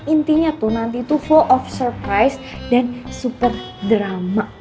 intinya tuh nanti itu full of surprise dan super drama